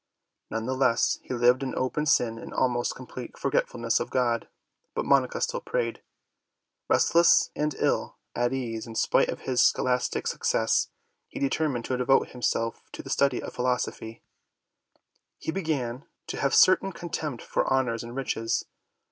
None the less, he lived in open sin and in almost complete forgetfulness of God. But Monica still prayed. Restless and ill at ease in spite of his scholastic successes, he determined to devote himself to the study of philosophy. He began to have a certain contempt for honors and riches.